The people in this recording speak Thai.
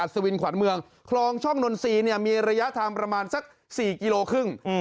สวินขวัญเมืองคลองช่องนนทรีย์มีระยะทางประมาณสัก๔กิโลครึ่ง